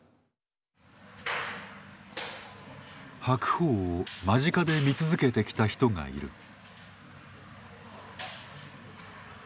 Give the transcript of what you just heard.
白鵬を間近で見続けてきた人がいる。